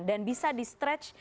dan bisa di stretch